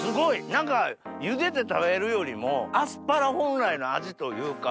何か茹でて食べるよりもアスパラ本来の味というか。